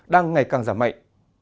đang ngày càng giảm mạnh